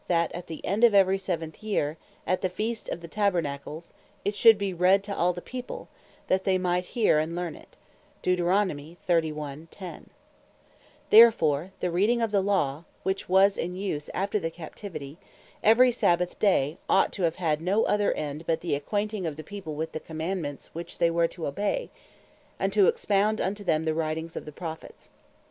31.10.) that at the end of every seventh year, at the Feast of the Tabernacles, it should be read to all the people, that they might hear, and learn it: Therefore the reading of the Law (which was in use after the Captivity) every Sabbath day, ought to have had no other end, but the acquainting of the people with the Commandements which they were to obey, and to expound unto them the writings of the Prophets.